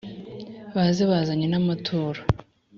Baze bazanye n`amaturo